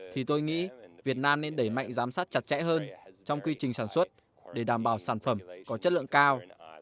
thì tôi nghĩ việt nam nên đẩy mạnh giám sát chặt chẽ hơn trong quy trình sản xuất để đảm bảo sản phẩm có chất lượng cao